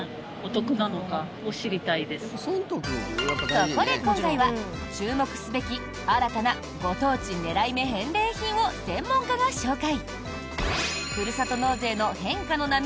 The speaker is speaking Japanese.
そこで今回は、注目すべき新たなご当地狙い目返礼品を専門家が紹介！